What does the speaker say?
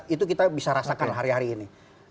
itu kita bisa rasakan hari hari ini